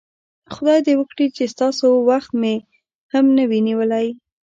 خدای دې وکړي چې ستاسو وخت مې هم نه وي نیولی.